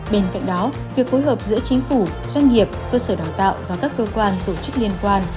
bên cạnh đó việc phối hợp giữa chính phủ doanh nghiệp cơ sở đào tạo và các cơ quan tổ chức liên quan